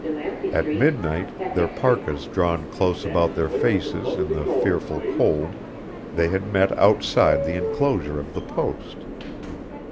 At midnight, their parkas drawn close about their faces in the fearful cold, they had met outside the inclosure of the Post.